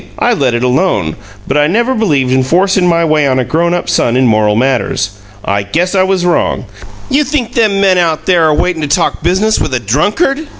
I let it alone, but I never believed in forcin' my way on a grown up son in moral matters. I guess I was wrong! You think them men out there are waitin' to talk business with a drunkard?